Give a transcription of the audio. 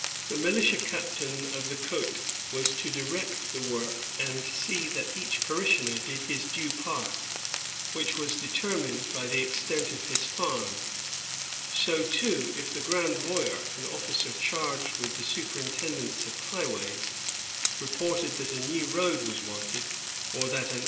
* The militia captain of the c6te was to direct the work and see that each parishioner did his due part, which was determined by the extent of his farm; so, too, if the grand voyer^ an officer charged with the superintendence of highways, reported that a new road was wanted or that an old 1 Le Roi a Dtichesneau, 11 Juin, 1680.